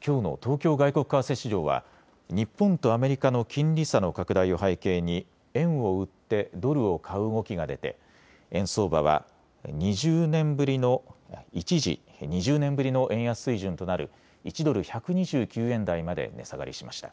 きょうの東京外国為替市場は日本とアメリカの金利差の拡大を背景に円を売ってドルを買う動きが出て円相場は一時、２０年ぶりの円安水準となる１ドル１２９円台まで値下がりしました。